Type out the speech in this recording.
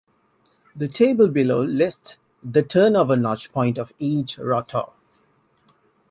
The table below lists the turnover notch point of each rotor.